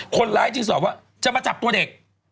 คนร้ายจึงสอบว่าจะมาจับตัวเด็ก